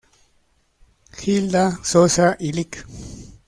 Hilda Sosa y Lic.